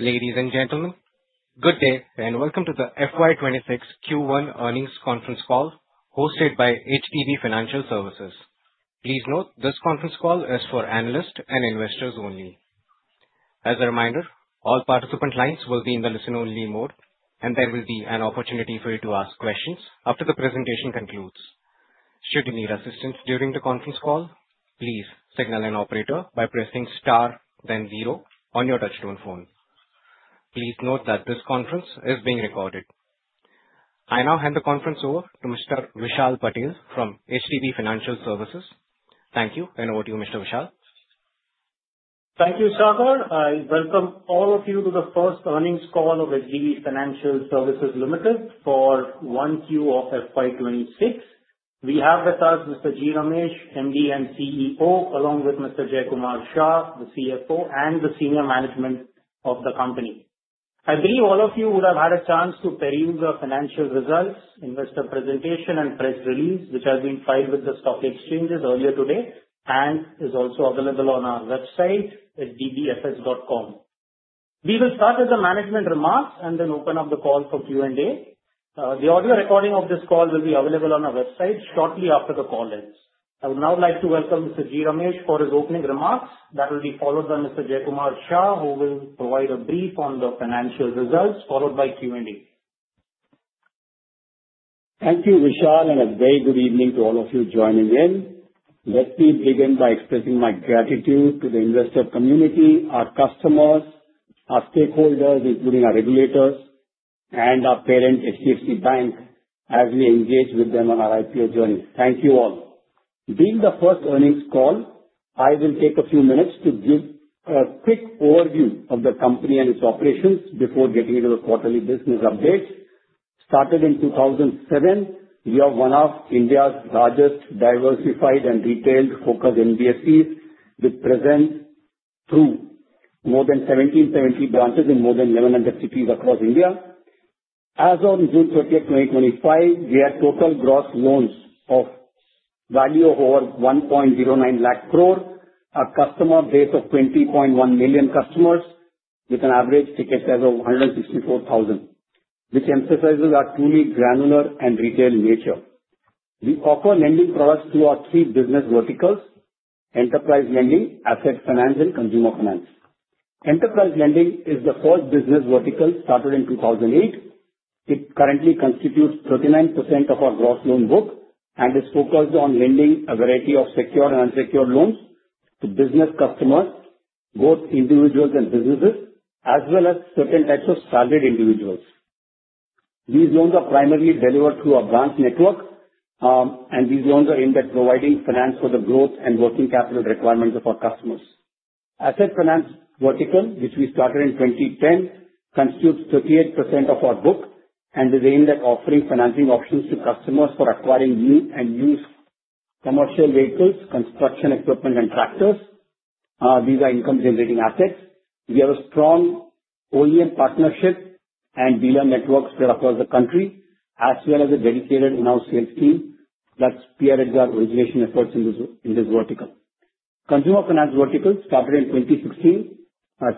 Ladies and gentlemen, good day and welcome to the FY26 Q1 earnings conference call hosted by HDB Financial Services. Please note this conference call is for analysts and investors only. As a reminder, all participant lines will be in the listen-only mode, and there will be an opportunity for you to ask questions after the presentation concludes. Should you need assistance during the conference call, please signal an operator by pressing star, then zero on your Touch-Tone Phone. Please note that this conference is being recorded. I now hand the conference over to Mr. Patel from HDB Financial Services. Thank you, and over to you, Mr. Vishal. Thank you, Sagar. I welcome all of you to the first earnings call of HDB Financial Services Limited for Q 1 of FY26. We have with us Mr. G. Ramesh, MD and CEO, along with Mr. Jaykumar Shah, the CFO and the senior management of the company. I believe all of you would have had a chance to peruse the financial results, investor presentation, and press release which has been filed with the stock exchanges earlier today and is also available on our website, hdbfs.com. We will start with the management remarks and then open up the call for Q&A. The audio recording of this call will be available on our website shortly after the call ends. I would now like to welcome Mr. G. Ramesh for his opening remarks. That will be followed by Mr. Jaykumar Shah, who will provide a brief on the financial results, followed by Q&A. Thank you, Vishal, and a very good evening to all of you joining in. Let me begin by expressing my gratitude to the investor community, our customers, our stakeholders, including our regulators, and our parent, HDFC Bank, as we engage with them on our IPO journey. Thank you all. Being the first earnings call, I will take a few minutes to give a quick overview of the company and its operations before getting into the quarterly business updates. Started in 2007, we are one of India's largest diversified and retail-focused NBFCs with presence through more than 1,770 branches in more than 1,100 cities across India. As of June 30, 2025, we have total gross loans of value of over 1.09 lakh crore, a customer base of 20.1 million customers, with an average ticket size of 164,000, which emphasizes our truly granular and retail nature. We offer lending products to our three business verticals: Enterprise Lending, Asset Finance, and Consumer Finance. Enterprise Lending is the first business vertical started in 2008. It currently constitutes 39% of our gross loan book and is focused on lending a variety of secured and unsecured loans to business customers, both individuals and businesses, as well as certain types of salaried individuals. These loans are primarily delivered through our branch network, and these loans are aimed at providing finance for the growth and working capital requirements of our customers. Asset Finance vertical, which we started in 2010, constitutes 38% of our book and is aimed at offering financing options to customers for acquiring new and used commercial vehicles, construction equipment, and tractors. These are income-generating assets. We have a strong OEM partnership and dealer networks across the country, as well as a dedicated in-house sales team that spearheads our origination efforts in this vertical. Consumer Finance vertical started in 2016.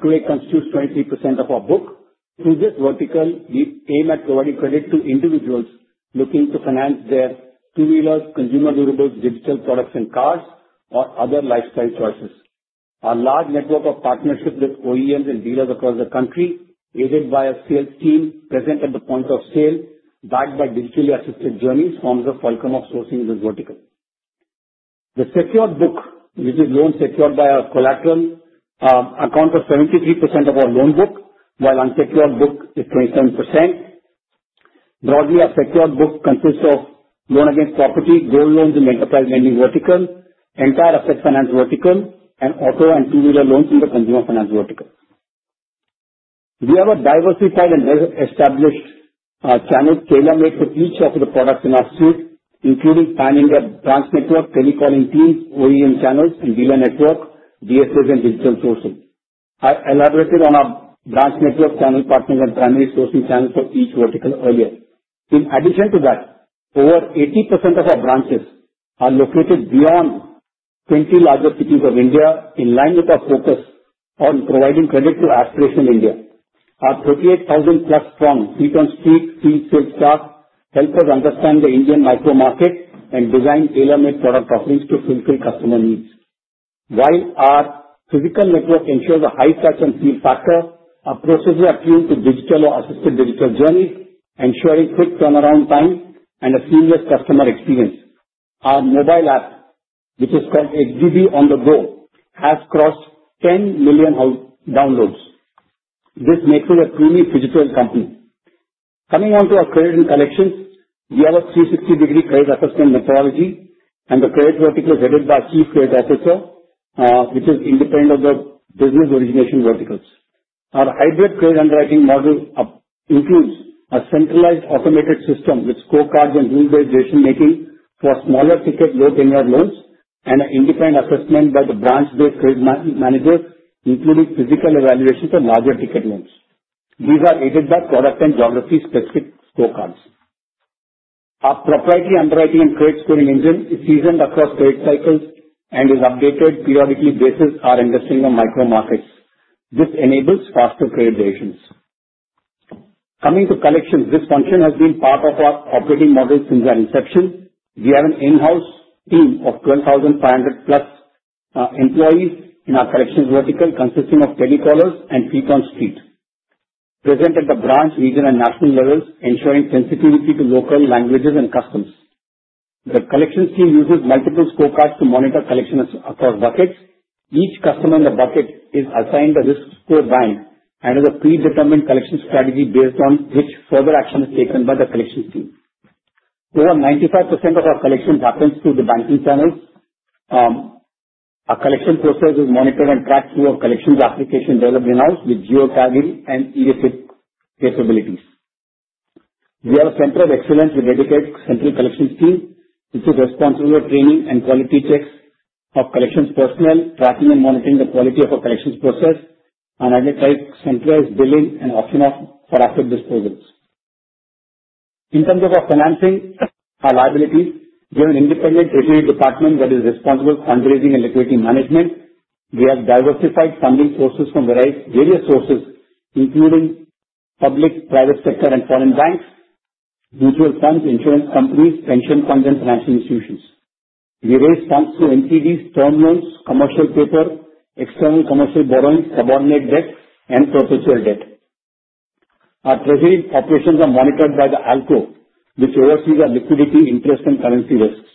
Today, it constitutes 23% of our book. Through this vertical, we aim at providing credit to individuals looking to finance their two-wheelers, consumer durables, digital products, and cars, or other lifestyle choices. Our large network of partnerships with OEMs and dealers across the country, aided by a sales team present at the point of sale, backed by digitally assisted journeys, forms a fulcrum of sourcing in this vertical. The secured book, which is loans secured by our collateral, accounts for 73% of our loan book, while unsecured book is 27%. Broadly, our secured book consists of loan against property, gold loans in the Enterprise Lending vertical, entire Asset Finance vertical, and auto and two-wheeler loans in the Consumer Finance vertical. We have a diversified and well-established channel tailor-made for each of the products in our suite, including pan-India branch network, telecalling teams, OEM channels, and dealer network, DSA, and digital sourcing. I elaborated on our branch network, channel partners, and primary sourcing channels for each vertical earlier. In addition to that, over 80% of our branches are located beyond 20 larger cities of India, in line with our focus on providing credit to Aspirational India. Our 38,000-plus feet on street, fleet sales staff, help us understand the Indian micro-market and design tailor-made product offerings to fulfill customer needs. While our physical network ensures a high touch and feel factor, our processes are tuned to digital or assisted digital journeys, ensuring quick turnaround time and a seamless customer experience. Our mobile app, which is called HDB On The Go, has crossed 10 million downloads. This makes us a truly physical company. Coming on to our credit and collections, we have a 360-degree credit assessment methodology, and the credit vertical is headed by a Chief Credit Officer, which is independent of the business origination verticals. Our hybrid credit underwriting model includes a centralized automated system with scorecards and rule-based decision-making for smaller ticket low-tenure loans and an independent assessment by the branch-based credit managers, including physical evaluations for larger ticket loans. These are aided by product and geography-specific scorecards. Our proprietary underwriting and credit scoring engine is seasoned across credit cycles and is updated on a periodic basis by our investing in micro-markets. This enables faster credit decisions. Coming to collections, this function has been part of our operating model since our inception. We have an in-house team of 12,500-plus employees in our collections vertical, consisting of telecallers and feet on street, present at the branch, regional, and national levels, ensuring sensitivity to local languages and customs. The collections team uses multiple scorecards to monitor collections across buckets. Each customer in the bucket is assigned a risk score band and has a predetermined collection strategy based on which further action is taken by the collections team. Over 95% of our collections happens through the banking channels. Our collection process is monitored and tracked through our collections application developed in-house with geo-tagging and e-receipt capabilities. We have a center of excellence with dedicated central collections team, which is responsible for training and quality checks of collections personnel, tracking and monitoring the quality of our collections process, and identifying centralized billing and auction for asset disposals. In terms of our financing, our liabilities, we have an independent treasury department that is responsible for fundraising and liquidity management. We have diversified funding sources from various sources, including public, private sector, and foreign banks, mutual funds, insurance companies, pension funds, and financial institutions. We raise funds through NCDs, term loans, commercial paper, external commercial borrowing, subordinate debt, and perpetual debt. Our treasury operations are monitored by the ALCO, which oversees our liquidity, interest, and currency risks.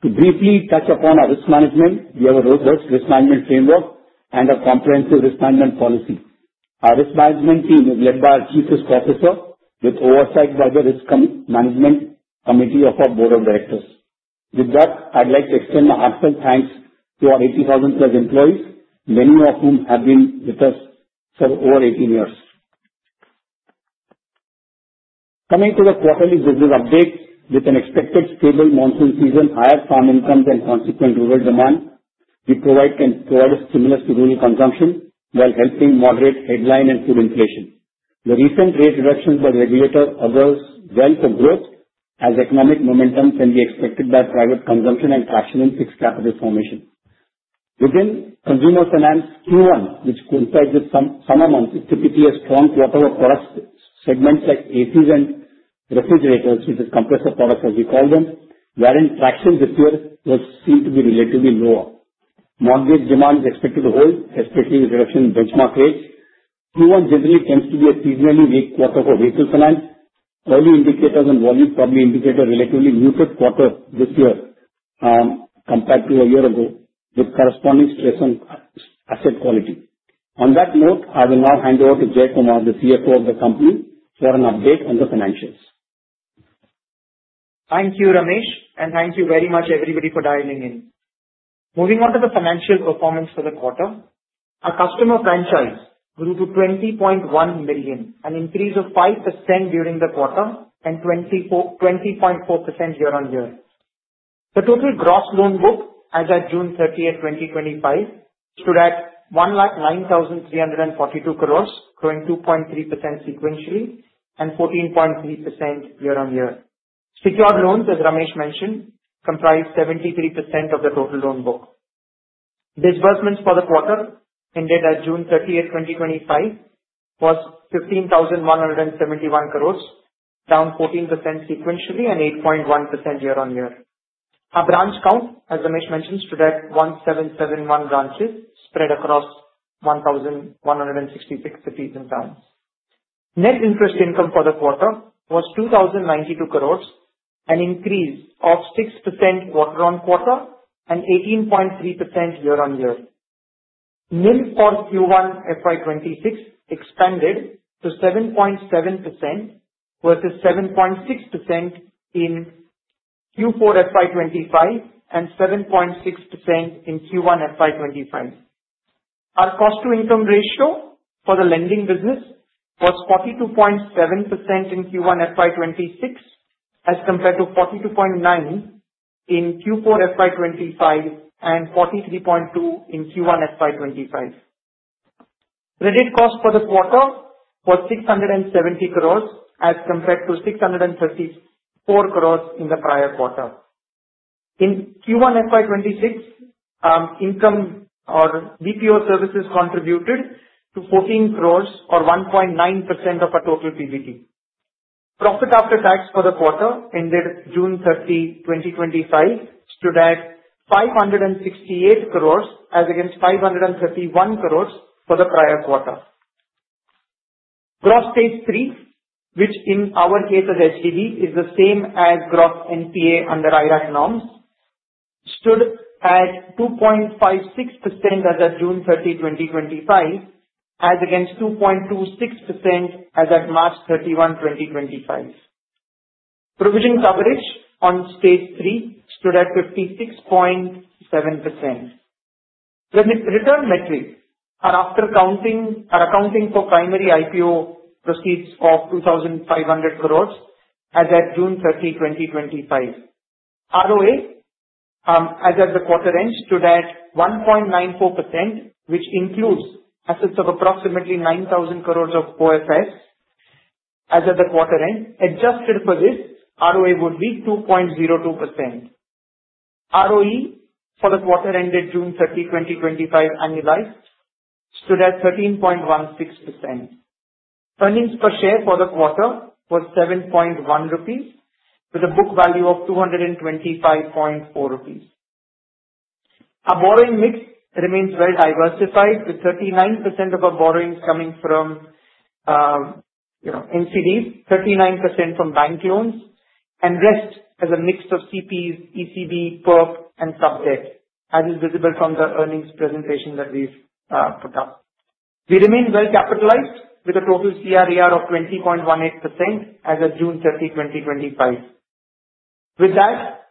To briefly touch upon our risk management, we have a robust risk management framework and a comprehensive risk management policy. Our risk management team is led by our Chief Risk Officer, with oversight by the risk management committee of our board of directors. With that, I'd like to extend my heartfelt thanks to our 80,000-plus employees, many of whom have been with us for over 18 years. Coming to the quarterly business update, with an expected stable monsoon season, higher farm incomes, and consequent rural demand, we provide stimulus to rural consumption while helping moderate headline and food inflation. The recent rate reductions by the regulator augur well for growth, as economic momentum can be expected by private consumption and traction in fixed capital formation. Within Consumer Finance, Q1, which coincides with summer months, is typically a strong quarter for product segments like ACs and refrigerators, which is compressor products, as we call them, wherein traction this year was seen to be relatively lower. Mortgage demand is expected to hold, especially with reduction in benchmark rates. Q1 generally tends to be a seasonally weak quarter for vehicle finance. Early indicators and volume probably indicate a relatively muted quarter this year compared to a year ago, with corresponding stress on asset quality. On that note, I will now hand over to Jaykumar, the CFO of the company, for an update on the financials. Thank you, Ramesh, and thank you very much, everybody, for dialing in. Moving on to the financial performance for the quarter, our customer franchise grew to 20.1 million, an increase of 5% during the quarter and 20.4% year-on-year. The total gross loan book as of June 30, 2025, stood at 109,342 crore, growing 2.3% sequentially and 14.3% year-on-year. Secured loans, as Ramesh mentioned, comprised 73% of the total loan book. Disbursements for the quarter ended at June 30, 2025, was 15,171 crore, down 14% sequentially and 8.1% year-on-year. Our branch count, as Ramesh mentioned, stood at 1,771 branches spread across 1,166 cities and towns. Net interest income for the quarter was 2,092 crore, an increase of 6% quarter-on-quarter and 18.3% year-on-year. NIM for Q1 FY26 expanded to 7.7% versus 7.6% in Q4 FY25 and 7.6% in Q1 FY25. Our cost-to-income ratio for the lending business was 42.7% in Q1 FY26, as compared to 42.9% in Q4 FY25 and 43.2% in Q1 FY25. Credit cost for the quarter was 670 crore, as compared to 634 crore in the prior quarter. In Q1 FY26, income or BPO services contributed to 14 crore, or 1.9% of our total PBT. Profit after tax for the quarter ended June 30, 2025, stood at 568 crore, as against 531 crore for the prior quarter. Gross stage III, which in our case as HDB is the same as gross NPA under IRAC norms, stood at 2.56% as of June 30, 2025, as against 2.26% as of March 31, 2025. Provision coverage on stage III stood at 56.7%. The return metrics are accounting for primary IPO receipts of 2,500 crore as of June 30, 2025. ROA, as of the quarter end, stood at 1.94%, which includes assets of approximately 9,000 crore of OFS as of the quarter end. Adjusted for this, ROA would be 2.02%. ROE for the quarter ended June 30, 2025, annualized stood at 13.16%. Earnings per share for the quarter was 7.1 rupees, with a book value of 225.4 rupees. Our borrowing mix remains well-diversified, with 39% of our borrowings coming from, 39% from bank loans, and rest as a mix of CPs, ECB, PERP, and sub-debt, as is visible from the earnings presentation that we've put up. We remain well-capitalized with a total CRAR of 20.18% as of June 30, 2025. With that,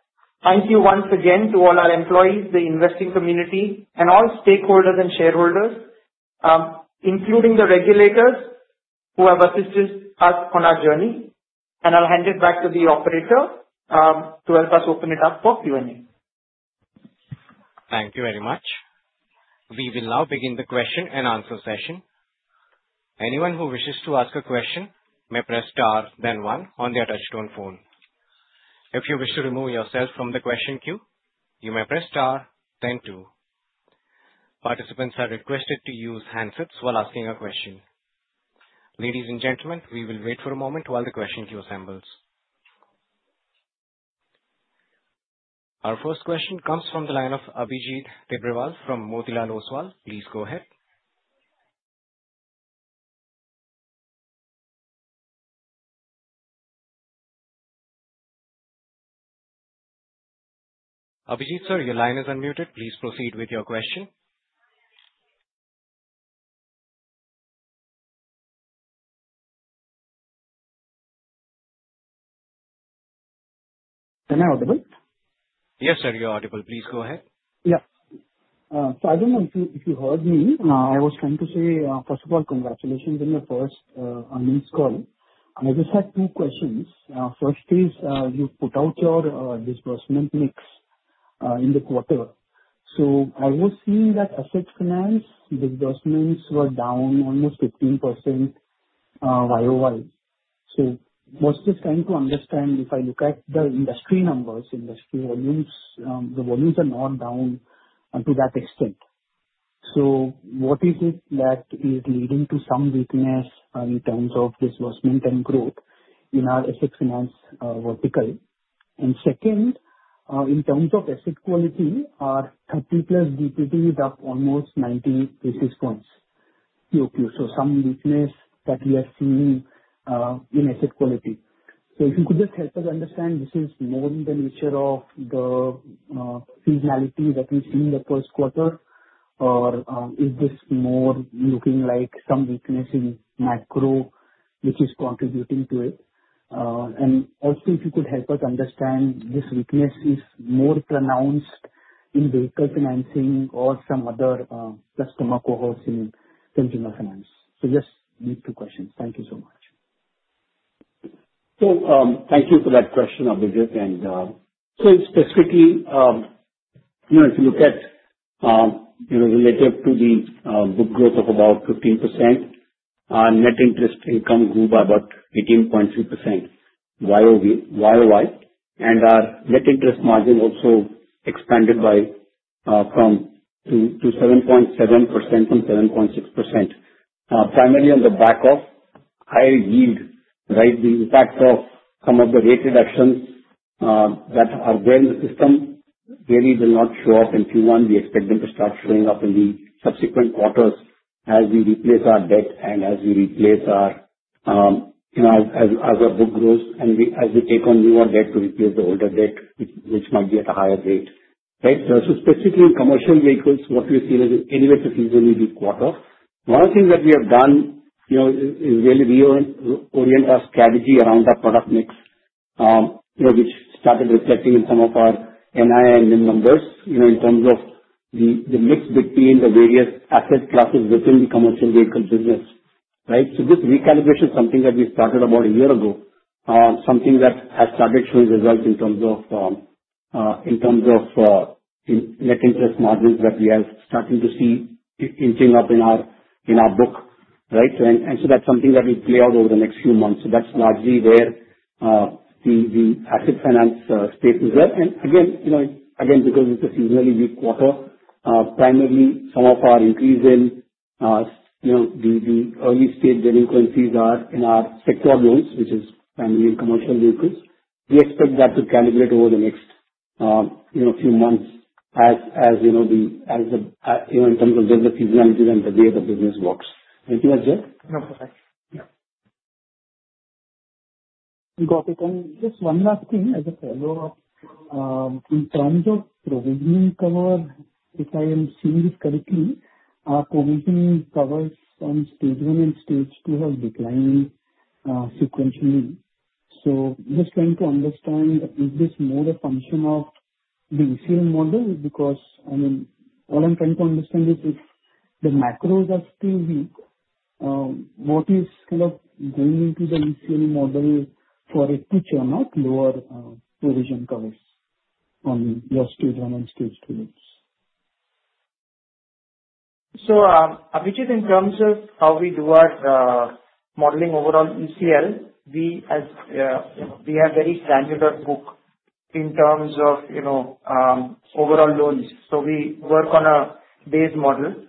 thank you once again to all our employees, the investing community, and all stakeholders and shareholders, including the regulators who have assisted us on our journey. I will hand it back to the operator to help us open it up for Q&A. Thank you very much. We will now begin the question and answer session. Anyone who wishes to ask a question may press star, then one on their touch-tone phone. If you wish to remove yourself from the question queue, you may press star, then two. Participants are requested to use handsets while asking a question. Ladies and gentlemen, we will wait for a moment while the question queue assembles. Our first question comes from the line of Abhijit Tibrewal from Motilal Oswal. Please go ahead. Abhijit sir, your line is unmuted. Please proceed with your question. Am I audible? Yes, sir, you're audible. Please go ahead. Yeah. I do not know if you heard me. I was trying to say, first of all, congratulations on your first earnings call. I just had two questions. First is, you put out your disbursement mix in the quarter. I was seeing that Asset Finance disbursements were down almost 15% year over year. I was just trying to understand if I look at the industry numbers, industry volumes, the volumes are not down to that extent. What is it that is leading to some weakness in terms of disbursement and growth in our Asset Finance vertical? Second, in terms of asset quality, our 30-plus DPD is up almost 90 basis points quarter over quarter. Some weakness that we are seeing in asset quality. If you could just help us understand, this is more in the nature of the seasonality that we've seen in the first quarter, or is this more looking like some weakness in macro, which is contributing to it? Also, if you could help us understand, this weakness is more pronounced in vehicle financing or some other customer cohorts in Consumer Finance. Just these two questions. Thank you so much. Thank you for that question, Abhijit. Specifically, if you look at relative to the book growth of about 15%, our net interest income grew by about 18.3% YoY. Our net interest margin also expanded from 7.7% to 7.6%, primarily on the back of higher yield, right? The impact of some of the rate reductions that are there in the system really will not show up in Q1. We expect them to start showing up in the subsequent quarters as we replace our debt and as our book grows and as we take on newer debt to replace the older debt, which might be at a higher rate, right? Specifically in commercial vehicles, what we're seeing is anywhere to seasonally be quarter. One of the things that we have done is really reorient our strategy around our product mix, which started reflecting in some of our NI and NIM numbers in terms of the mix between the various asset classes within the commercial vehicle business, right? This recalibration is something that we started about a year ago, something that has started showing results in terms of net interest margins that we are starting to see inching up in our book, right? That is something that will play out over the next few months. That is largely where the Asset Finance space is at. Again, because it is a seasonally weak quarter, primarily some of our increase in the early stage delinquencies are in our sector loans, which is primarily in commercial vehicles. We expect that to calibrate over the next few months as in terms of the seasonality and the way the business works. Anything else, Jay? No, perfect., and just one last thing as a follow-up. In terms of provisioning cover, if I am seeing this correctly, our provisioning covers from Stage 1 and Stage 2 have declined sequentially. Just trying to understand, is this more a function of the ECL model? Because I mean, all I'm trying to understand is if the macros are still weak, what is kind of going into the ECL model for it to churn out lower provision covers on your Stage 1 and Stage 2 loans? Abhijit, in terms of how we do our modeling overall ECL, we have very granular book in terms of overall loans. We work on a base model.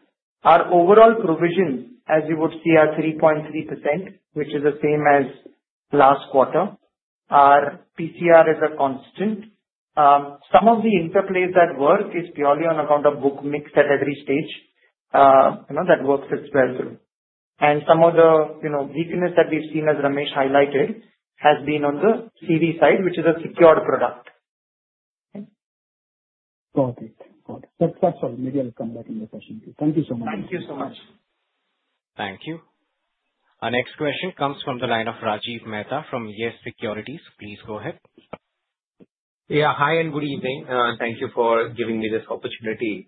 Our overall provision, as you would see, are 3.3%, which is the same as last quarter. Our PCR is a constant. Some of the interplays that work is purely on account of book mix at every stage that works its way through. Some of the weakness that we've seen, as Ramesh highlighted, has been on the CV side, which is a secured product. Got it. Got it. That's all. Maybe I'll come back in the session too. Thank you so much. Thank you so much. Thank you. Our next question comes from the line of Rajiv Mehta from Yes Securities. Please go ahead. Yeah, hi and good evening. Thank you for giving me this opportunity.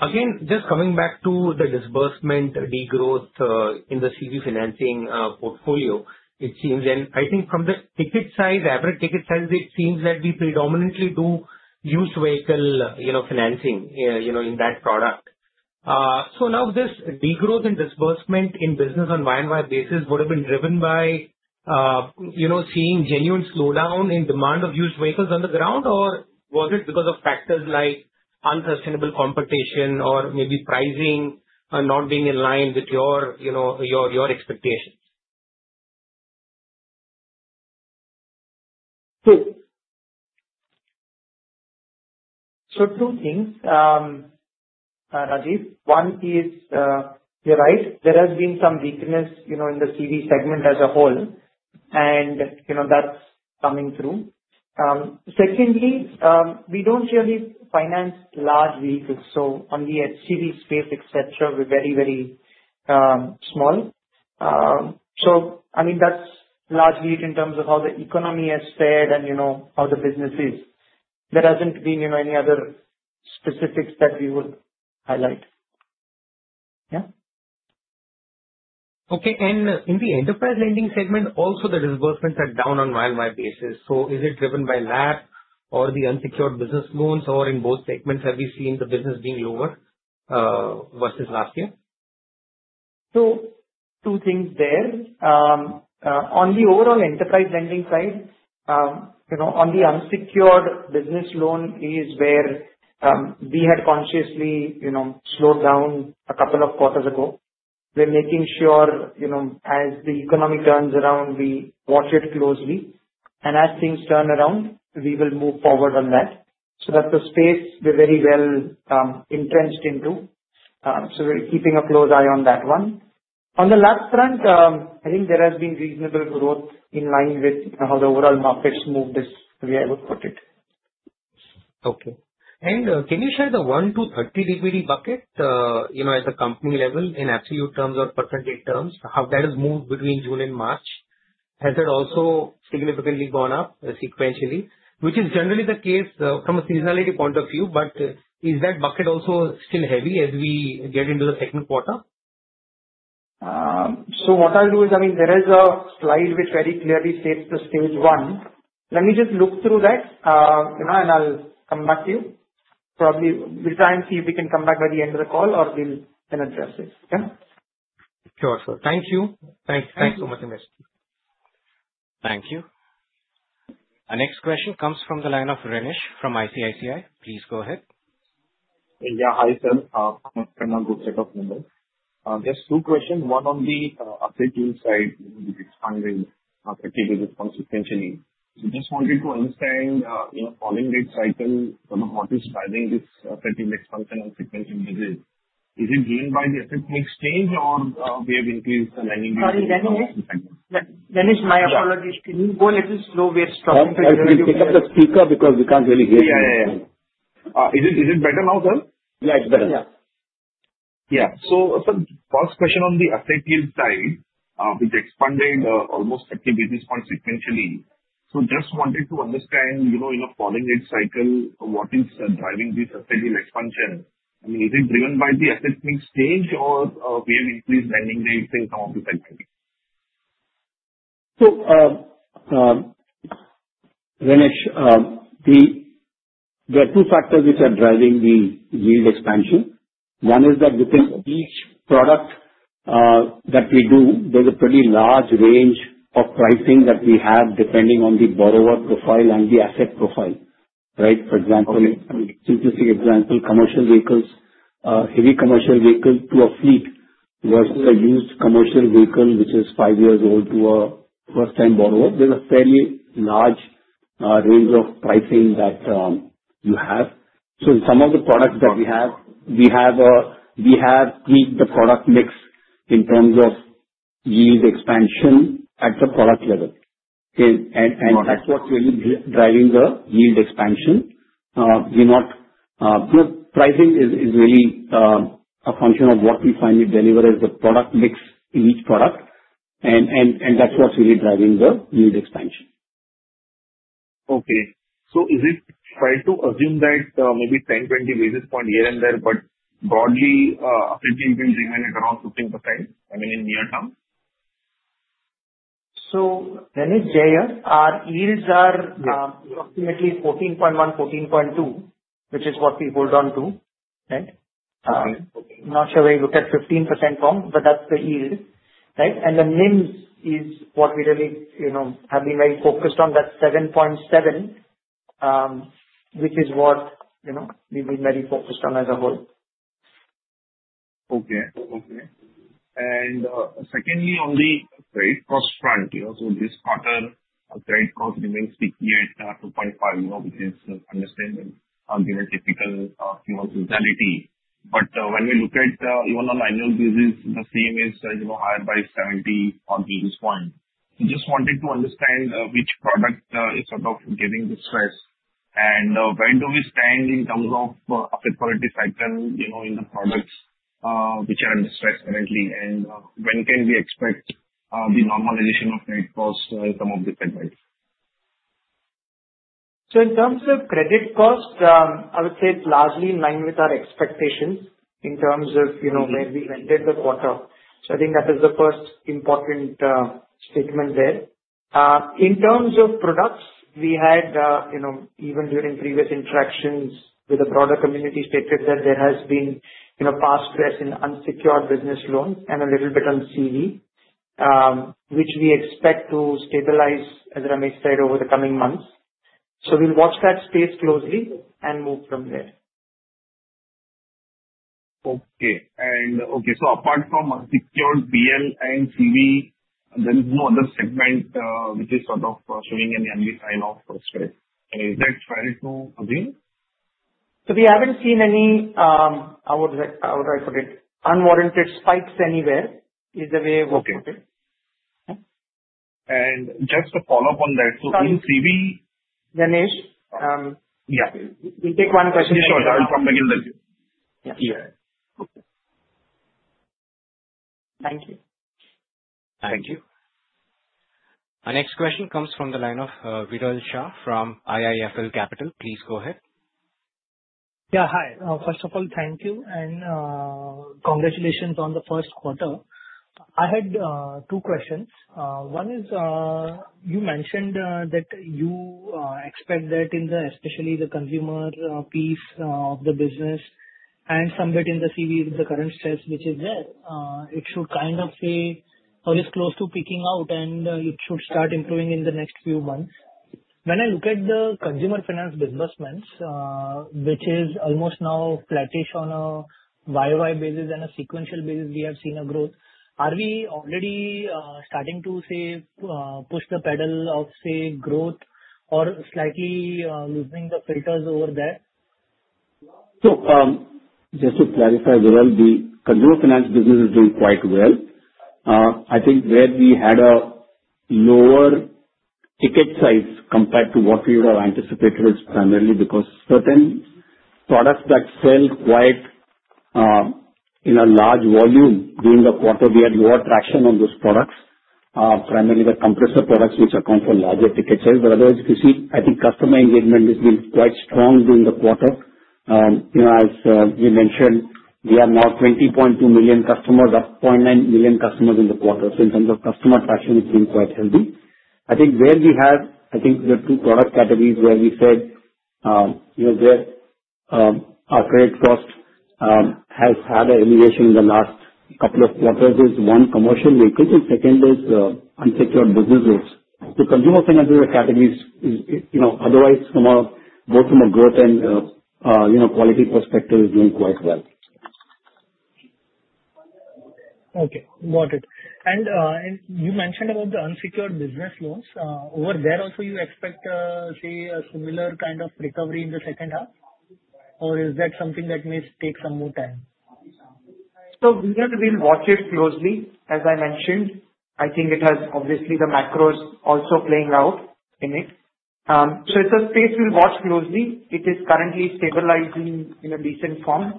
Again, just coming back to the disbursement degrowth in the CV financing portfolio, it seems, and I think from the ticket size, average ticket size, it seems that we predominantly do used vehicle financing in that product. Now, this degrowth and disbursement in business on Y and Y basis would have been driven by seeing genuine slowdown in demand of used vehicles on the ground, or was it because of factors like unsustainable competition or maybe pricing not being in line with your expectations? Two things, Rajiv. One is you're right. There has been some weakness in the CV segment as a whole, and that's coming through. Secondly, we don't really finance large vehicles. On the HCV space, etc., we're very, very small. I mean, that's large in terms of how the economy has fared and how the business is. There hasn't been any other specifics that we would highlight. Yeah. Okay. In the Enterprise Lending segment, also the disbursements are down on a year-on-year basis. Is it driven by that or the unsecured business loans, or in both segments, have we seen the business being lower versus last year? Two things there. On the overall Enterprise Lending side, on the unsecured business loan is where we had consciously slowed down a couple of quarters ago. We're making sure as the economy turns around, we watch it closely. As things turn around, we will move forward on that. That's a space we're very well entrenched into. We're keeping a close eye on that one. On the last front, I think there has been reasonable growth in line with how the overall markets move, this is the way I would put it. Okay. Can you share the 1 to 30 DPD bucket at the company level in absolute terms or percentage terms, how that has moved between June and March? Has it also significantly gone up sequentially, which is generally the case from a seasonality point of view, but is that bucket also still heavy as we get into the second quarter? What I'll do is, I mean, there is a slide which very clearly states the Stage 1. Let me just look through that, and I'll come back to you. Probably we'll try and see if we can come back by the end of the call, or we'll then address it. Yeah. Sure, sir. Thank you. Thanks so much, Abhijit. Thank you. Our next question comes from the line of Renish from ICICI Securities. Please go ahead. Yeah, hi sir. I'm from a group set of members. Just two questions. One on the asset yield side with expanding 30 basis points expansion sequentially. Just wanted to understand following that cycle what is driving this 30 basis points expansion and sequentially. Is it driven by the asset mix change, or we have increased the lending? Sorry, Renish. Renish, my apologies. Can you go a little slow? We are stopping the interview. Sorry, I'm picking up the speaker because we can't really hear you. Yeah, yeah. Is it better now, sir? Yeah, it's better. Yeah. Yeah. First question on the asset yield side, which expanded almost 30 basis points sequentially. Just wanted to understand in a following rate cycle what is driving this asset yield expansion. I mean, is it driven by the asset mix change, or we have increased lending rates in some of these segments? Renish, there are two factors which are driving the yield expansion. One is that within each product that we do, there is a pretty large range of pricing that we have depending on the borrower profile and the asset profile, right? For example, simplistic example, commercial vehicles, heavy commercial vehicles to a fleet versus a used commercial vehicle, which is five years old to a first-time borrower. There is a fairly large range of pricing that you have. In some of the products that we have, we have tweaked the product mix in terms of yield expansion at the product level. That is what is really driving the yield expansion. Pricing is really a function of what we finally deliver as the product mix in each product. That is what is really driving the yield expansion. Okay. Is it fair to assume that maybe 10-20 basis points here and there, but broadly, asset yield will remain at around 15%, I mean, in near term? Renish, Yeah, our yields are approximately 14.1, 14.2, which is what we hold on to, right? Okay. Not sure where you look at 15% from, but that's the yield, right? And the NIMs is what we really have been very focused on. That's 7.7, which is what we've been very focused on as a whole. Okay. Okay. Secondly, on the credit cost front, this quarter, credit cost remains sticky at 2.5%, which is understandable given typical seasonality. When we look at even on annual basis, the same is higher by 70 basis points. I just wanted to understand which product is sort of getting the stress. Where do we stand in terms of asset quality cycle in the products which are under stress currently? When can we expect the normalization of credit cost in some of these segments? In terms of credit cost, I would say it's largely in line with our expectations in terms of where we went in the quarter. I think that is the first important statement there. In terms of products, we had, even during previous interactions with the broader community, stated that there has been past stress in unsecured business loans and a little bit on CV, which we expect to stabilize, as Ramesh said, over the coming months. We will watch that space closely and move from there. Okay. Okay. So apart from secured BL and CV, there is no other segment which is sort of showing any sign of stress. Is that fair to agree? We have not seen any, how would I put it, unwarranted spikes anywhere is the way I would put it. Okay. Just to follow up on that, in CV. Renish, we'll take one question. Yeah, sure. I'll come back in the Q. Yeah. Yeah. Okay. Thank you. Thank you. Our next question comes from the line of Viral Shah from IIFL Capital. Please go ahead. Yeah, hi. First of all, thank you and congratulations on the first quarter. I had two questions. One is you mentioned that you expect that especially the consumer piece of the business and somewhat in the CV with the current stress, which is there, it should kind of say or is close to peaking out and it should start improving in the next few months. When I look at the Consumer Finance disbursements, which is almost now flattish on a year-over-year basis and a sequential basis, we have seen a growth. Are we already starting to, say, push the pedal of, say, growth or slightly loosening the filters over there? Just to clarify, Viral, the Consumer Finance business is doing quite well. I think where we had a lower ticket size compared to what we would have anticipated is primarily because certain products that sell quite in a large volume during the quarter, we had lower traction on those products, primarily the compressor products which account for larger ticket size. Otherwise, you see, I think customer engagement has been quite strong during the quarter. As you mentioned, we are now 20.2 million customers, up 0.9 million customers in the quarter. In terms of customer traction, it's been quite healthy. I think where we have, I think the two product categories where we said our credit cost has had an elevation in the last couple of quarters is one, commercial vehicles, and second is unsecured business loans. Consumer Finance categories, otherwise, from both from a growth and quality perspective, is doing quite well. Okay. Got it. You mentioned about the unsecured business loans. Over there also, you expect, say, a similar kind of recovery in the second half? Is that something that may take some more time? We will watch it closely. As I mentioned, I think it has obviously the macros also playing out in it. It is a space we will watch closely. It is currently stabilizing in a decent form.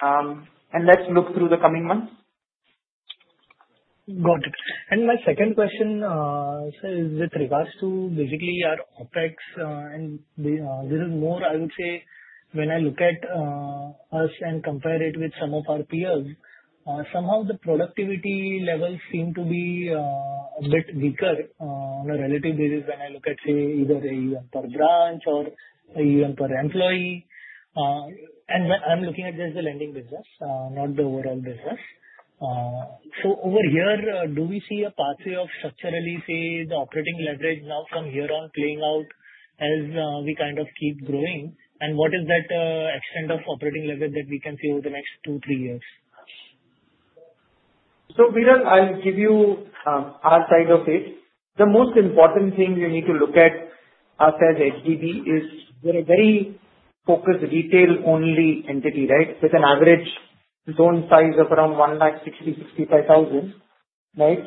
Let us look through the coming months. Got it. My second question is with regards to basically our OpEx. This is more, I would say, when I look at us and compare it with some of our peers, somehow the productivity levels seem to be a bit weaker on a relative basis when I look at, say, either a per branch or a per employee. I'm looking at just the lending business, not the overall business. Over here, do we see a pathway of structurally, say, the operating leverage now from here on playing out as we kind of keep growing? What is that extent of operating leverage that we can see over the next two, three years? Viral, I'll give you our side of it. The most important thing we need to look at us as HDB is we're a very focused retail-only entity, right, with an average loan size of around 160,000-165,000, right?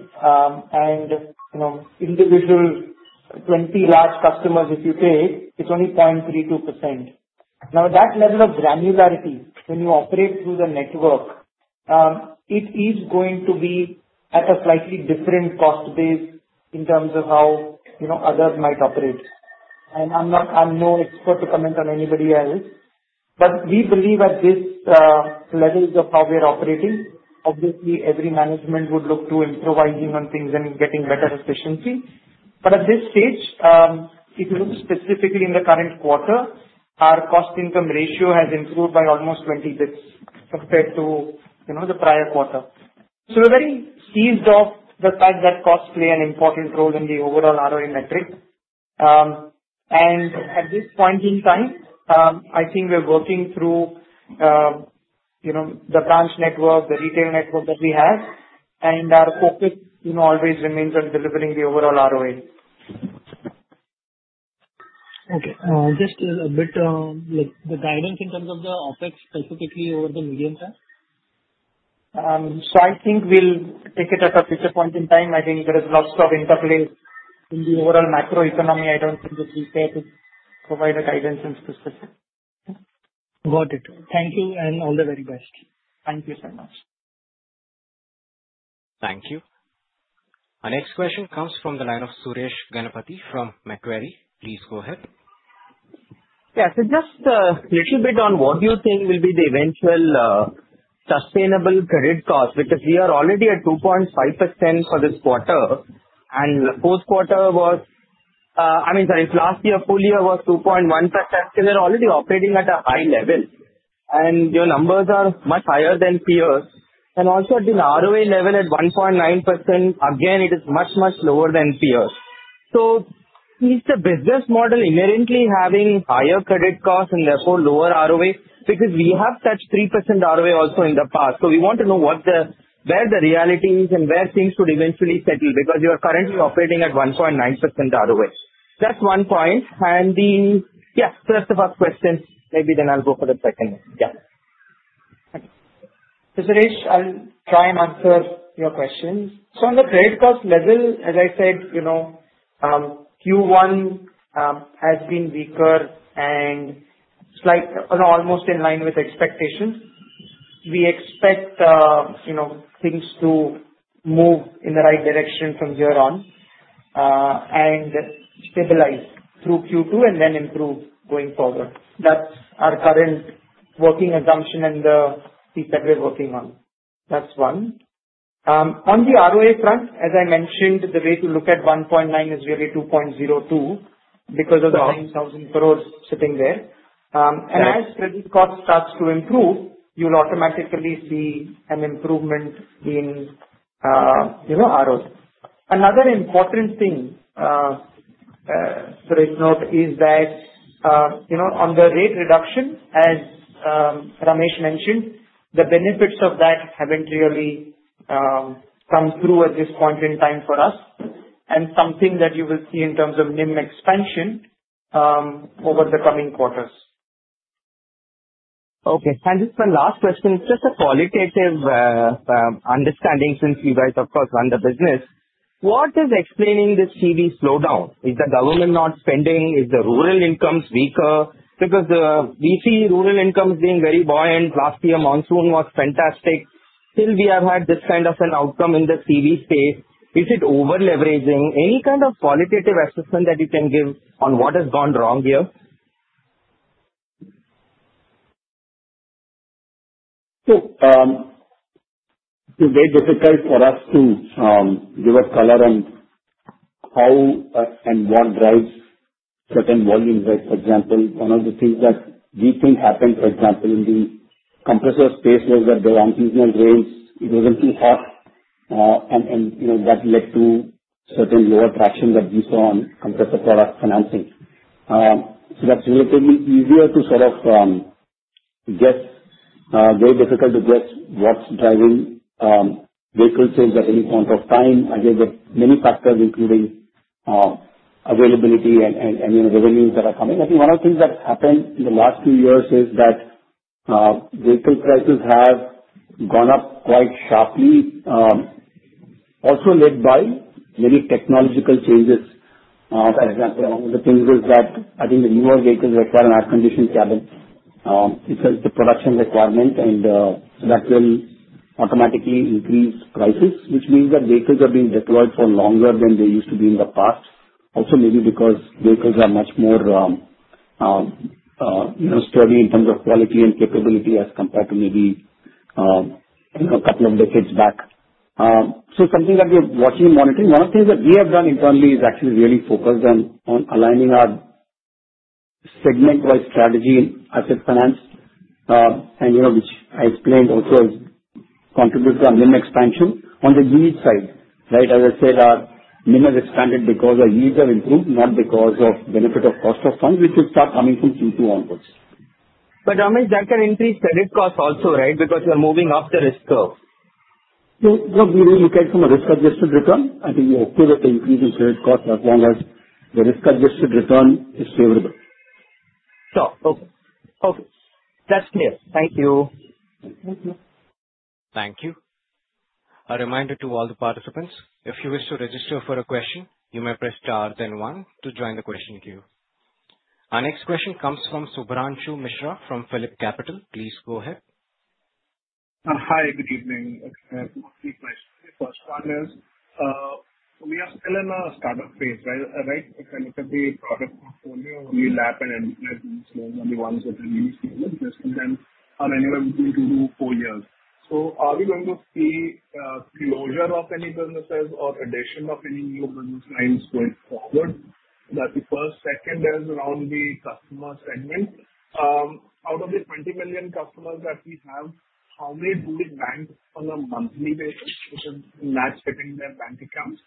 And individual 20 large customers, if you take, it's only 0.32%. Now, that level of granularity, when you operate through the network, it is going to be at a slightly different cost base in terms of how others might operate. I'm no expert to comment on anybody else. We believe at this level of how we're operating, obviously, every management would look to improvising on things and getting better efficiency. At this stage, if you look specifically in the current quarter, our cost-income ratio has improved by almost 20 basis points compared to the prior quarter. We are very seized of the fact that costs play an important role in the overall ROA metric. At this point in time, I think we are working through the branch network, the retail network that we have, and our focus always remains on delivering the overall ROA. Okay. Just a bit, the guidance in terms of the OpEx specifically over the medium term? I think we'll take it at a future point in time. I think there is lots of interplay in the overall macroeconomy. I don't think it's fair to provide a guidance in specific. Got it. Thank you and all the very best. Thank you so much. Thank you. Our next question comes from the line of Suresh Ganapathy from Macquarie. Please go ahead. Yeah. Just a little bit on what do you think will be the eventual sustainable credit cost? Because we are already at 2.5% for this quarter, and the last year, full year was 2.1%. We are already operating at a high level. Your numbers are much higher than peers. Also at the ROA level at 1.9%, again, it is much, much lower than peers. Is the business model inherently having higher credit costs and therefore lower ROA? We have touched 3% ROA also in the past. We want to know where the reality is and where things should eventually settle because you are currently operating at 1.9% ROA. That is one point. That is the first question. Maybe then I will go for the second one. Okay. Suresh, I'll try and answer your questions. On the credit cost level, as I said, Q1 has been weaker and slightly almost in line with expectations. We expect things to move in the right direction from here on and stabilize through Q2 and then improve going forward. That's our current working assumption and the piece that we're working on. That's one. On the ROA front, as I mentioned, the way to look at 1.9 is really 2.02 because of the 9,000 crores sitting there. As credit cost starts to improve, you'll automatically see an improvement in ROA. Another important thing, Suresh, note is that on the rate reduction, as Ramesh mentioned, the benefits of that haven't really come through at this point in time for us. That's something that you will see in terms of NIM expansion over the coming quarters. Okay. Just my last question, just a qualitative understanding since you guys, of course, run the business. What is explaining the CV slowdown? Is the government not spending? Is the rural incomes weaker? Because we see rural incomes being very buoyant. Last year, monsoon was fantastic. Still, we have had this kind of an outcome in the CV space. Is it over-leveraging? Any kind of qualitative assessment that you can give on what has gone wrong here? It's very difficult for us to give a color on how and what drives certain volumes, right? For example, one of the things that we think happened, for example, in the compressor space was that the unseasonal rains, it wasn't too hot, and that led to certain lower traction that we saw on compressor product financing. That's relatively easier to sort of guess. Very difficult to guess what's driving vehicle sales at any point of time. Again, there are many factors, including availability and revenues that are coming. I think one of the things that happened in the last few years is that vehicle prices have gone up quite sharply, also led by many technological changes. For example, one of the things is that I think the newer vehicles require an air-conditioned cabin. It's the production requirement, and that will automatically increase prices, which means that vehicles are being deployed for longer than they used to be in the past. Also, maybe because vehicles are much more sturdy in terms of quality and capability as compared to maybe a couple of decades back. Actually, something that we're watching and monitoring, one of the things that we have done internally is really focus on aligning our segment-wise strategy in Asset Finance, which I explained also contributes to our NIM expansion. On the yield side, right, as I said, our NIM has expanded because our yields have improved, not because of benefit of cost of funds, which will start coming from Q2 onwards. Ramesh, that can increase credit costs also, right, because you're moving up the risk curve? Yeah. We look at it from a risk-adjusted return. I think we're okay with the increase in credit costs as long as the risk-adjusted return is favorable. Sure. Okay. Okay. That's clear. Thank you. Thank you. Thank you. A reminder to all the participants, if you wish to register for a question, you may press star then one to join the question queue. Our next question comes from Shubhranshu Mishra from PhillipCapital. Please go ahead. Hi. Good evening. A few questions. First one is we are still in a startup phase, right? If I look at the product portfolio, only LAP and are the ones that are really seeing business. And then anywhere between two to four years. Are we going to see closure of any businesses or addition of any new business lines going forward? That's the first. Second is around the customer segment. Out of the 20 million customers that we have, how many do we bank on a monthly basis? Which is match-fitting their bank accounts?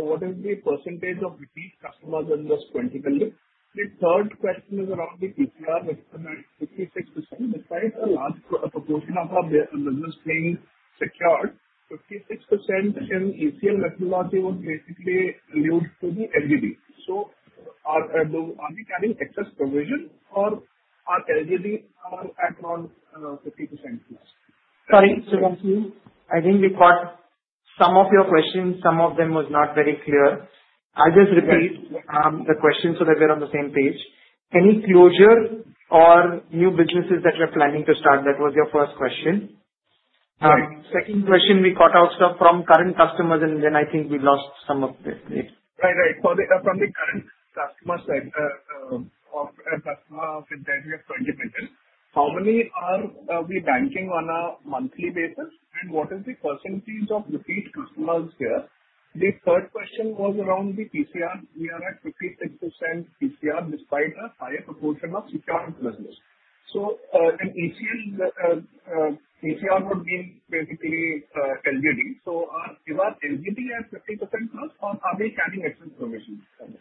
What is the percentage of repeat customers in this 20 million? The third question is around the ECL, which is at 56%. Despite a large proportion of our business being secured, 56% in ECL methodology was basically loosed to the. Are we carrying excess provision or are LGD at around 50% plus? Sorry, Suresh. I think we caught some of your questions. Some of them were not very clear. I'll just repeat the question so that we're on the same page. Any closure or new businesses that we're planning to start? That was your first question. Second question, we caught out stuff from current customers, and then I think we lost some of it. Right, right. From the current customer side or customer within the 20 million, how many are we banking on a monthly basis? What is the percentage of repeat customers here? The third question was around the PCR. We are at 56% PCR despite a higher proportion of secured business. An ECL would mean basically LGD. Is our LGD at 50% plus or are we carrying excess provision? Okay.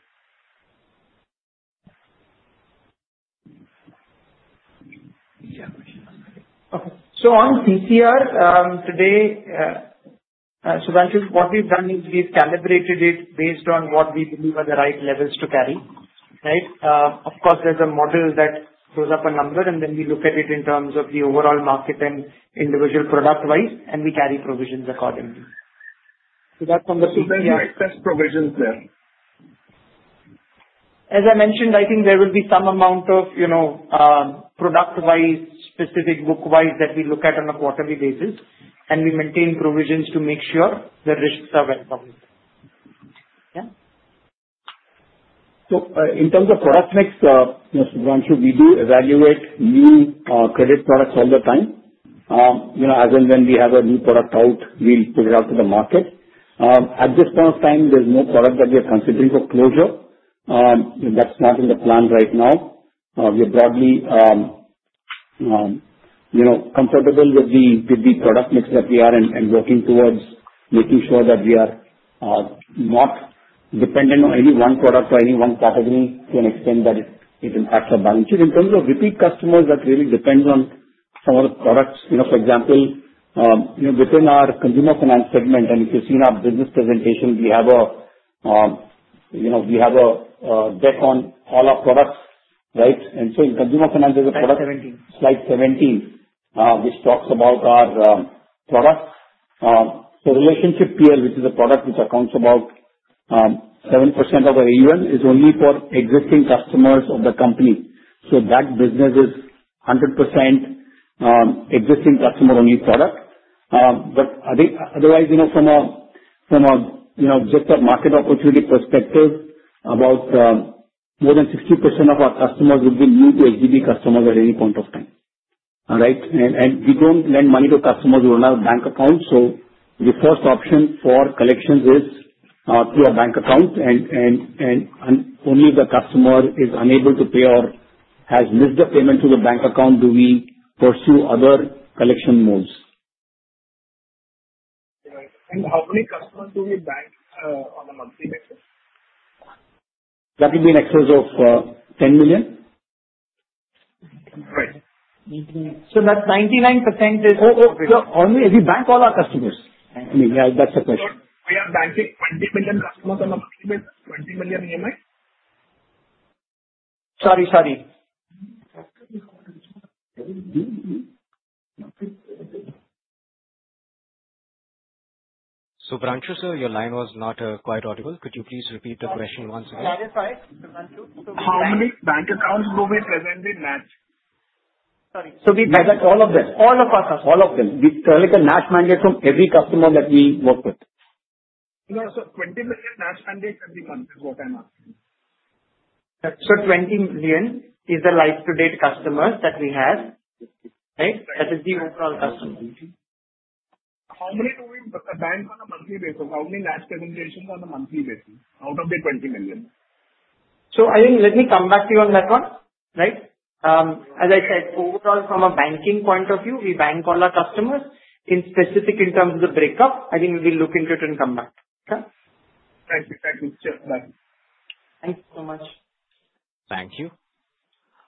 On PCR today, Shubhranshu, what we've done is we've calibrated it based on what we believe are the right levels to carry, right? Of course, there's a model that goes up a number, and then we look at it in terms of the overall market and individual product-wise, and we carry provisions accordingly. That's on the PCR. There's excess provisions there? As I mentioned, I think there will be some amount of product-wise, specific book-wise that we look at on a quarterly basis, and we maintain provisions to make sure the risks are well covered. Yeah. In terms of product mix, Shubhranshu, we do evaluate new credit products all the time. As and when we have a new product out, we'll put it out to the market. At this point of time, there's no product that we are considering for closure. That's not in the plan right now. We are broadly comfortable with the product mix that we are and working towards making sure that we are not dependent on any one product or any one category to an extent that it impacts our balance sheet. In terms of repeat customers, that really depends on some of the products. For example, within our Consumer Finance segment, and if you've seen our business presentation, we have a deck on all our products, right? In Consumer Finance, there's a product. Slide 17. Slide 17, which talks about our products. Relationship PL, which is a product which accounts for about 7% of the AUM, is only for existing customers of the company. That business is 100% existing customer-only product. Otherwise, from just a market opportunity perspective, more than 60% of our customers would be new to HDB customers at any point of time, right? We do not lend money to customers who run our bank accounts. The first option for collections is through our bank account. Only if the customer is unable to pay or has missed the payment through the bank account do we pursue other collection modes. How many customers do we bank on a monthly basis? That would be in excess of 10 million. Right. That 99% is. Oh, so only if we bank all our customers? I mean, yeah, that's the question. We are banking 20 million customers on a monthly basis. 20 million EMI? Sorry, sorry. Shubhranshu, sir, your line was not quite audible. Could you please repeat the question once again? That is fine, Shubhranshu. How many bank accounts do we present with NACH? Sorry. We match all of them. All of us. All of them. We collect a NACH mandate from every customer that we work with. No, 20 million NACH mandates every month is what I'm asking. Twenty million is the life-to-date customers that we have, right? That is the overall customers. How many do we bank on a monthly basis? How many NACH presentations on a monthly basis out of the 20 million? I think let me come back to you on that one, right? As I said, overall, from a banking point of view, we bank all our customers. In specific, in terms of the breakup, I think we will look into it and come back. Okay? Thank you. Thank you. Thank you so much. Thank you.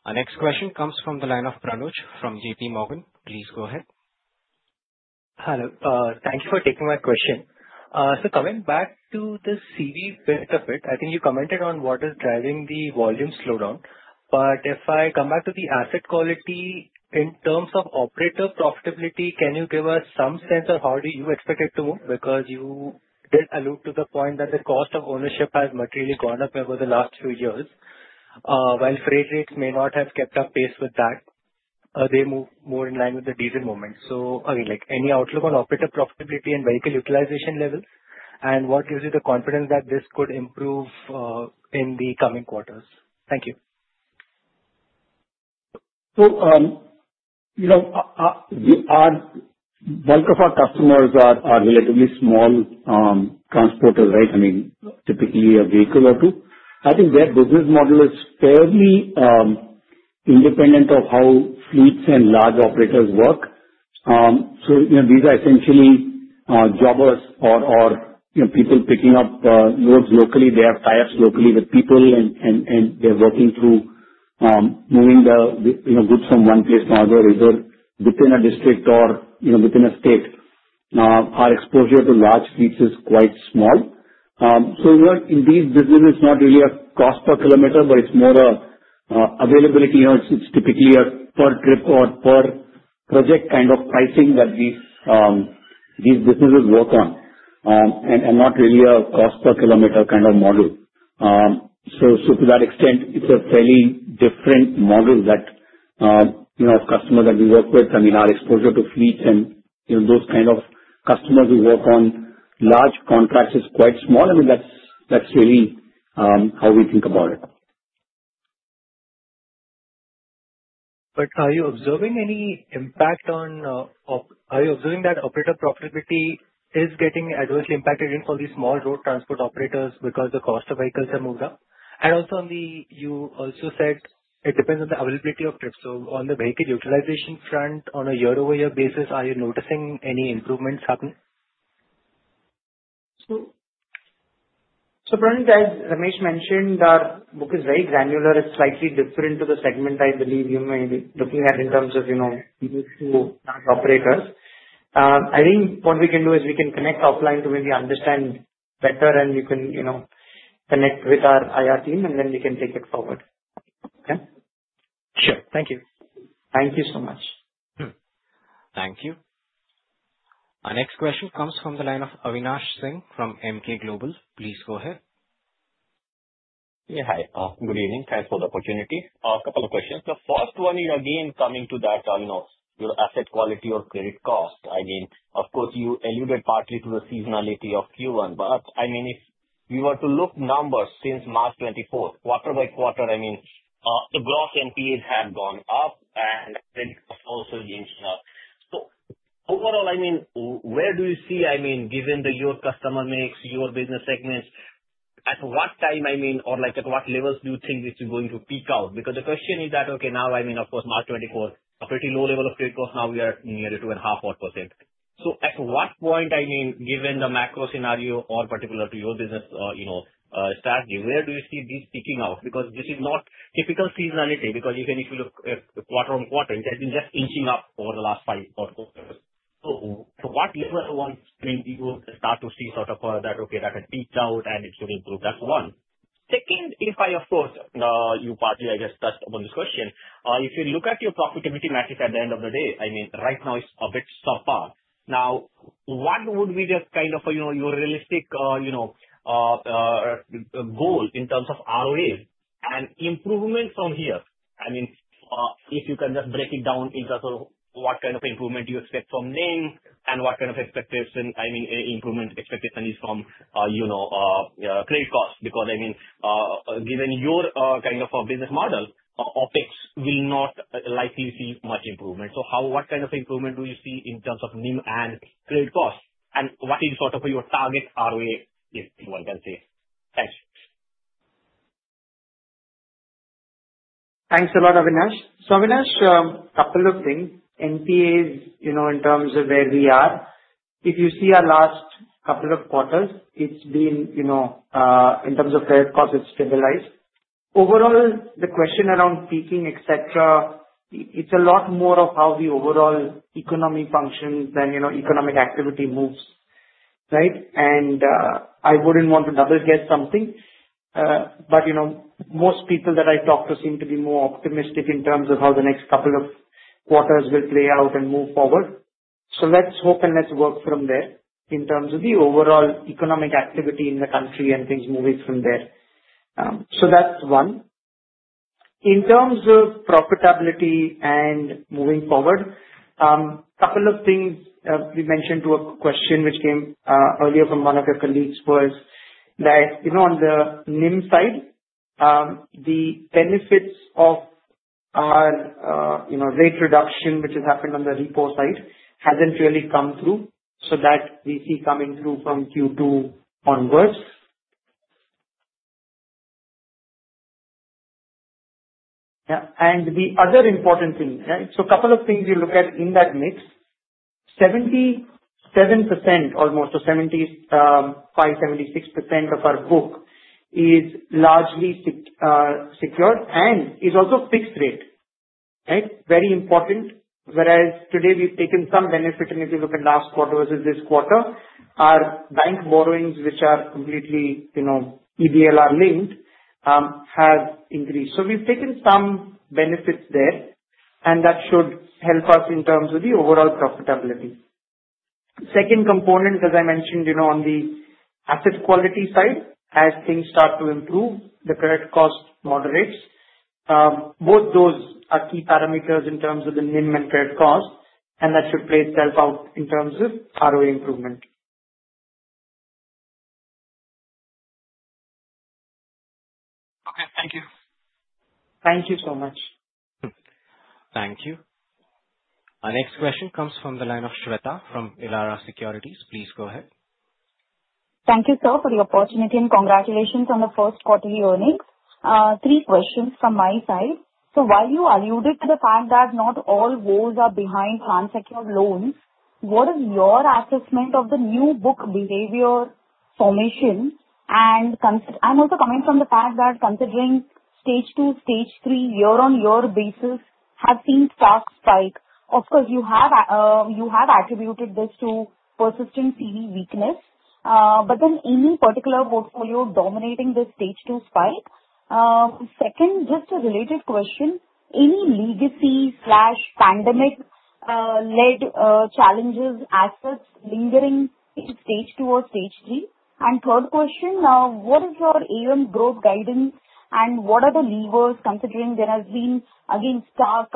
Our next question comes from the line of Pranuj from JPMorgan. Please go ahead. Hello. Thank you for taking my question. Coming back to the CV bit of it, I think you commented on what is driving the volume slowdown. If I come back to the asset quality in terms of operator profitability, can you give us some sense of how you expect it to move? You did allude to the point that the cost of ownership has materially gone up over the last few years. While freight rates may not have kept up pace with that, they move more in line with the diesel moment. Again, any outlook on operator profitability and vehicle utilization level? What gives you the confidence that this could improve in the coming quarters? Thank you. Most of our customers are relatively small transporters, right? I mean, typically a vehicle or two. I think their business model is fairly independent of how fleets and large operators work. These are essentially jobbers or people picking up loads locally. They have ties locally with people, and they're working through moving the goods from one place to another either within a district or within a state. Our exposure to large fleets is quite small. Indeed, business is not really a cost per kilometer, but it's more an availability. It's typically a per trip or per project kind of pricing that these businesses work on and not really a cost per kilometer kind of model. To that extent, it's a fairly different model that customers that we work with. I mean, our exposure to fleets and those kind of customers who work on large contracts is quite small. I mean, that's really how we think about it. Are you observing any impact on, are you observing that operator profitability is getting adversely impacted even for these small road transport operators because the cost of vehicles have moved up? You also said it depends on the availability of trips. On the vehicle utilization front, on a year-over-year basis, are you noticing any improvements happening? Pranuj, as Ramesh mentioned, our book is very granular. It's slightly different to the segment I believe you may be looking at in terms of these two large operators. I think what we can do is connect offline to maybe understand better, and you can connect with our IR team, and then we can take it forward. Okay? Sure. Thank you. Thank you so much. Thank you. Our next question comes from the line of Avinash Singh from Emkay Global. Please go ahead. Yeah. Hi. Good evening. Thanks for the opportunity. A couple of questions. The first one, again, coming to that, your asset quality or credit cost. I mean, of course, you alluded partly to the seasonality of Q1, but I mean, if we were to look at numbers since March 2024, quarter by quarter, I mean, the gross NPAs have gone up, and credit cost also has been sharp. Overall, I mean, where do you see, I mean, given your customer mix, your business segments, at what time, I mean, or at what levels do you think this is going to peak out? Because the question is that, okay, now, I mean, of course, March 2024, a pretty low level of credit cost. Now we are near 2.5%. At what point, I mean, given the macro scenario or particular to your business strategy, where do you see this peaking out? Because this is not typical seasonality. Because even if you look quarter on quarter, it has been just inching up over the last five quarters. At what level once can you start to see sort of that, okay, that has peaked out, and it should improve? That is one. Second, if I, of course, you partly, I guess, touched upon this question. If you look at your profitability metric at the end of the day, I mean, right now, it is a bit subpar. Now, what would be just kind of your realistic goal in terms of ROA and improvement from here? I mean, if you can just break it down into sort of what kind of improvement you expect from NIM and what kind of expectation, I mean, improvement expectation is from credit cost. Because, I mean, given your kind of business model, OpEx will not likely see much improvement. So what kind of improvement do you see in terms of NIM and credit cost? And what is sort of your target ROA, if one can say? Thanks. Thanks a lot, Avinash. Avinash, a couple of things. NPAs in terms of where we are, if you see our last couple of quarters, it's been in terms of credit cost, it's stabilized. Overall, the question around peaking, etc., it's a lot more of how the overall economy functions than economic activity moves, right? I wouldn't want to double-guess something, but most people that I talk to seem to be more optimistic in terms of how the next couple of quarters will play out and move forward. Let's hope and let's work from there in terms of the overall economic activity in the country and things moving from there. That's one. In terms of profitability and moving forward, a couple of things we mentioned to a question which came earlier from one of your colleagues was that on the NIM side, the benefits of our rate reduction, which has happened on the repo side, has not really come through. That we see coming through from Q2 onwards. The other important thing, right? A couple of things you look at in that mix, 77% almost, so 75-76% of our book is largely secured and is also fixed rate, right? Very important. Whereas today, we have taken some benefit, and if you look at last quarter versus this quarter, our bank borrowings, which are completely EBLR-linked, have increased. We have taken some benefits there, and that should help us in terms of the overall profitability. Second component, as I mentioned, on the asset quality side, as things start to improve, the credit cost moderates. Both those are key parameters in terms of the NIM and credit cost, and that should play itself out in terms of ROA improvement. Okay. Thank you. Thank you so much. Thank you. Our next question comes from the line of Shweta from Elara Securities. Please go ahead. Thank you, sir, for the opportunity and congratulations on the first quarterly earnings. Three questions from my side. While you alluded to the fact that not all woes are behind unsecured loans, what is your assessment of the new book behavior formation? I am also coming from the fact that considering Stage 2, Stage III, year-on-year basis have seen stocks spike. Of course, you have attributed this to persistent CV weakness, but then any particular portfolio dominating this Stage 2 spike? Second, just a related question, any legacy or pandemic-led challenges assets lingering in Stage 2 or Stage III? Third question, what is your AUM growth guidance, and what are the levers considering there has been, again, stock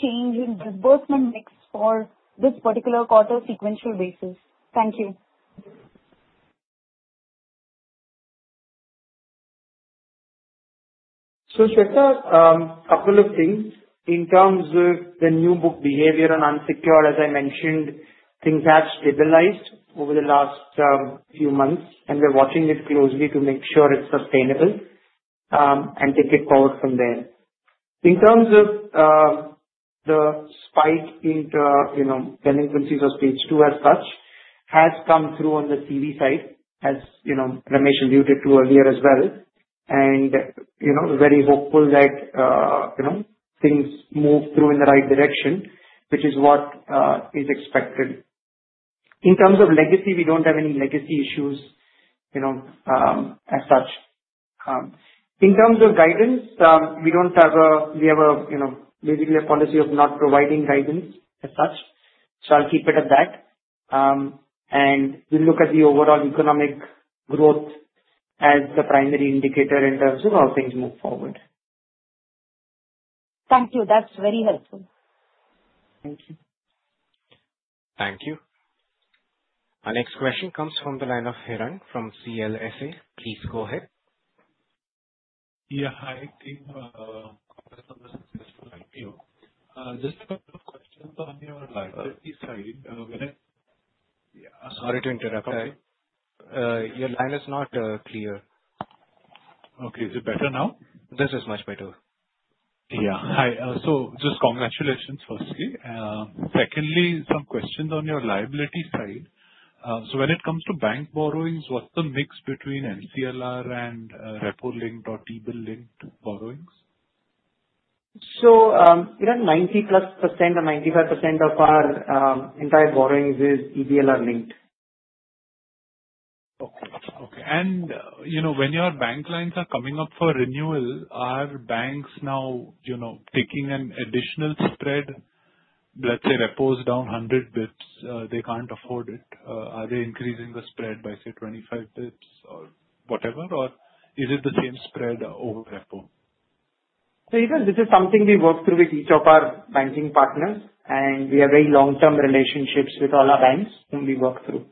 change in disbursement mix for this particular quarter sequential basis? Thank you. Shweta, a couple of things. In terms of the new book behavior on unsecured, as I mentioned, things have stabilized over the last few months, and we're watching it closely to make sure it's sustainable and take it forward from there. In terms of the spike into delinquencies of Stage 2 as such, has come through on the CV side, as Ramesh alluded to earlier as well. We are very hopeful that things move through in the right direction, which is what is expected. In terms of legacy, we don't have any legacy issues as such. In terms of guidance, we have basically a policy of not providing guidance as such. I'll keep it at that. We look at the overall economic growth as the primary indicator in terms of how things move forward. Thank you. That's very helpful. Thank you. Thank you. Our next question comes from the line of Piran from CLSA. Please go ahead. Yeah. Hi. Thank you for comment on the successful IPO. Just a couple of questions on your liability side. Sorry to interrupt. Sorry. Your line is not clear. Okay. Is it better now? This is much better. Yeah. Hi. Just congratulations firstly. Secondly, some questions on your liability side. When it comes to bank borrowings, what's the mix between MCLR and Repo-Linked or T-Bill-Linked borrowings? Ninety plus percent or 95% of our entire borrowings is EBLR-linked. Okay. Okay. When your bank lines are coming up for renewal, are banks now taking an additional spread? Let's say Repo's down 100 basis points, they can't afford it. Are they increasing the spread by, say, 25 basis points or whatever? Or is it the same spread over Repo? This is something we work through with each of our banking partners, and we have very long-term relationships with all our banks whom we work through.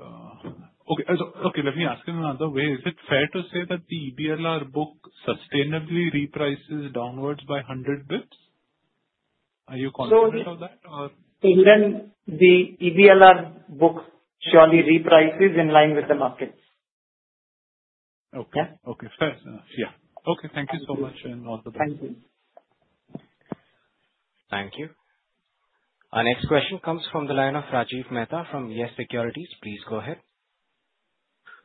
Okay. Okay. Let me ask in another way. Is it fair to say that the EBLR book sustainably reprices downwards by 100 basis points? Are you conscious of that, or? Even the EBLR book surely reprices in line with the markets. Okay. Okay. Fair enough. Yeah. Okay. Thank you so much and all the best. Thank you. Thank you. Our next question comes from the line of Rajiv Mehta from Yes Securities. Please go ahead.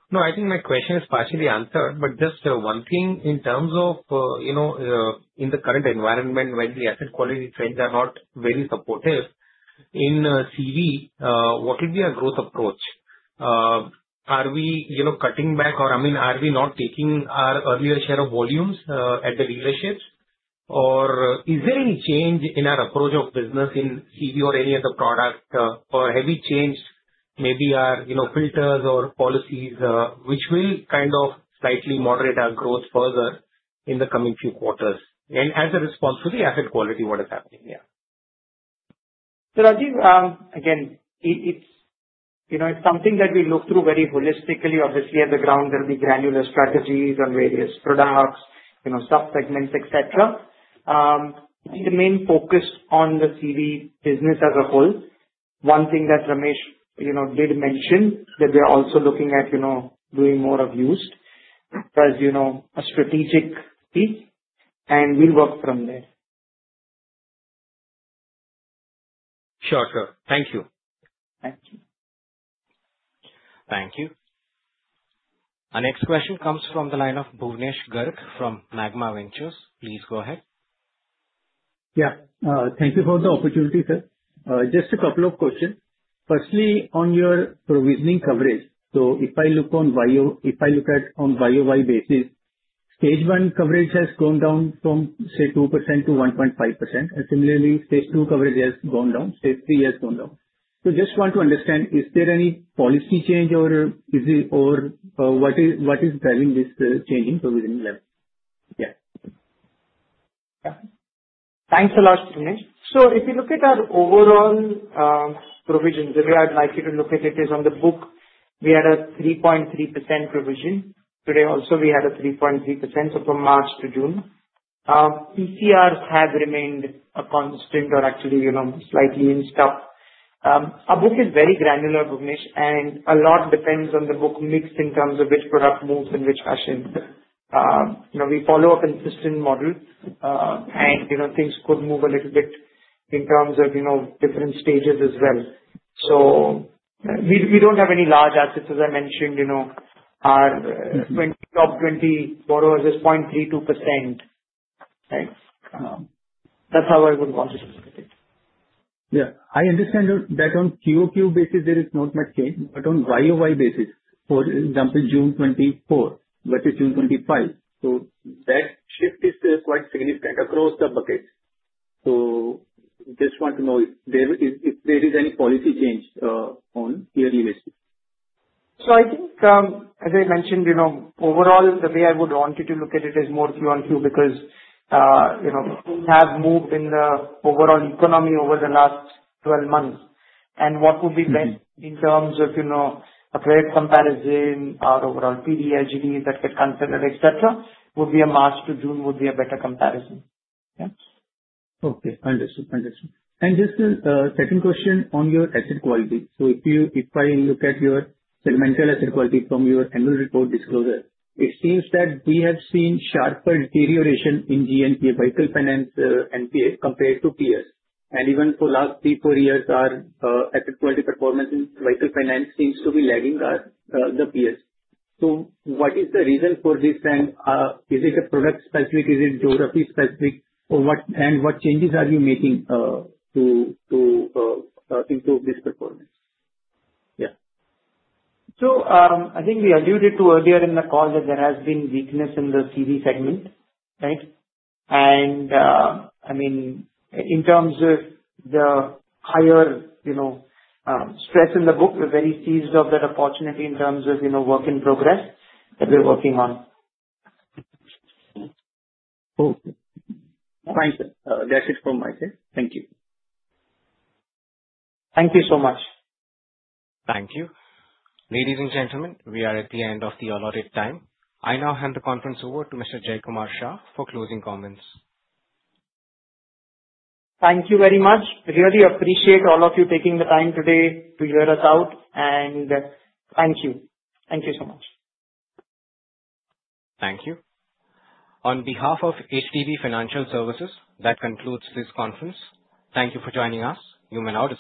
No, I think my question is partially answered, but just one thing. In terms of in the current environment, when the asset quality trends are not very supportive in CV, what would be our growth approach? Are we cutting back, or I mean, are we not taking our earlier share of volumes at the dealerships? Is there any change in our approach of business in CV or any other product? Have we changed maybe our filters or policies which will kind of slightly moderate our growth further in the coming few quarters? As a response to the asset quality, what is happening here? Rajiv, again, it's something that we look through very holistically, obviously, at the ground, there will be granular strategies on various products, sub-segments, etc. I think the main focus on the CV business as a whole, one thing that Ramesh did mention, that we're also looking at doing more of used as a strategic piece, and we'll work from there. Sure. Sure. Thank you. Thank you. Thank you. Our next question comes from the line of Bhuvnesh Garg from Magma Ventures. Please go ahead. Yeah. Thank you for the opportunity, sir. Just a couple of questions. Firstly, on your provisioning coverage, if I look at on YoY basis, Stage 1 coverage has gone down from, say, 2% to 1.5%. And similarly, Stage 2 coverage has gone down. Stage III has gone down. Just want to understand, is there any policy change, or what is driving this changing provisioning level? Yeah. Thanks a lot, Bhuvnesh. If you look at our overall provision, the way I'd like you to look at it is on the book, we had a 3.3% provision. Today, also, we had a 3.3%, so from March to June. ECLs have remained a constant or actually slightly in stock. Our book is very granular, Bhuvnesh, and a lot depends on the book mix in terms of which product moves and which fashion. We follow a consistent model, and things could move a little bit in terms of different stages as well. We don't have any large assets, as I mentioned. Our top 20 borrowers is 0.32%, right? That's how I would want to look at it. Yeah. I understand that on QoQ basis, there is not much change. However, on YoY, YoY basis, for example, June 2024 versus June 2025, that shift is quite significant across the bucket. I just want to know if there is any policy change on year-to-year basis. I think, as I mentioned, overall, the way I would want you to look at it is more QoQ because things have moved in the overall economy over the last 12 months. What would be best in terms of a trade comparison, our overall PD LGDs that get considered, etc., would be a March to June would be a better comparison. Yeah. Okay. Understood. Understood. Just a second question on your asset quality. If I look at your segmental asset quality from your annual report disclosure, it seems that we have seen sharper deterioration in GNPA vehicle finance NPA compared to peers. Even for the last three, four years, our asset quality performance in vehicle finance seems to be lagging the peers. What is the reason for this? Is it product-specific? Is it geography-specific? What changes are you making to improve this performance? Yeah. I think we alluded to earlier in the call that there has been weakness in the CV segment, right? I mean, in terms of the higher stress in the book, we're very seized of that opportunity in terms of work in progress that we're working on. Okay. Thanks. That's it from my side. Thank you. Thank you so much. Thank you. Ladies and gentlemen, we are at the end of the allotted time. I now hand the conference over to Mr. Jaykumar Shah for closing comments. Thank you very much. Really appreciate all of you taking the time today to hear us out. Thank you. Thank you so much. Thank you. On behalf of HDB Financial Services, that concludes this conference. Thank you for joining us. You may now.